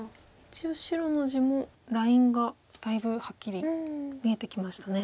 一応白の地もラインがだいぶはっきり見えてきましたね。